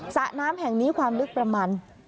สระน้ำแห่งนี้ความลึกประมาณ